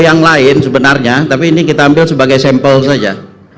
yang lain sebenarnya tapi ini kita ambil sebagai sampel saja